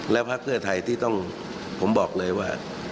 แล้วพักเพื่อไทยที่ต้องผมบอกเลยว่า